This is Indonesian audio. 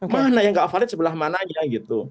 mana yang gak valid sebelah mananya gitu